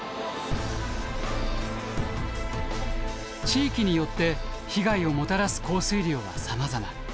地域によって被害をもたらす降水量はさまざま。